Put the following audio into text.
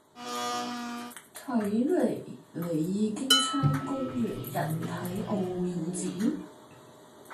睇嚟你已經參觀完人體奧妙展